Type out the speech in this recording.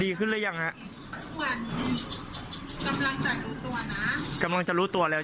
ดีขึ้นล่ะยังชักหวังจะรู้ตัวนะกำลังจะรู้ตัวแล้ว